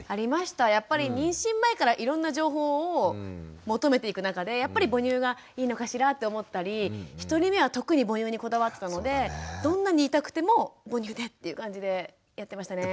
やっぱり妊娠前からいろんな情報を求めていく中でやっぱり母乳がいいのかしらと思ったり１人目は特に母乳にこだわってたのでどんなに痛くても母乳でっていう感じでやってましたね。